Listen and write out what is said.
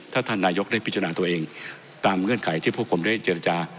ถ้าท่านนายกได้พิจารณาตัวเองตามเงื่อนไขที่พวกผมได้เจรจา